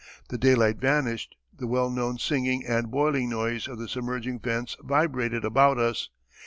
The daylight vanished the well known singing and boiling noise of the submerging vents vibrated about us.